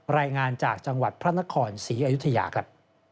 รายงานจากจังหวัดพระนครศรีอยุธยาครับ